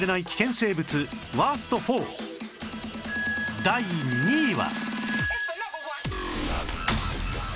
生物ワースト４第２位は